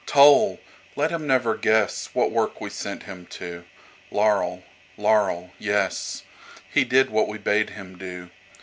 Toll! Let him never guessWhat work we sent him to. Laurel, laurel, yes. He did what we bade him do.